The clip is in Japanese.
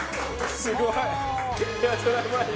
すごい！